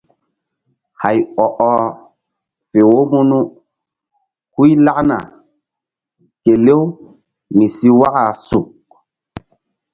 Hay ɔ ɔh fe wo munu huy lakna kelew mi si waka suk.